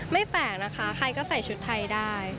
แปลกนะคะใครก็ใส่ชุดไทยได้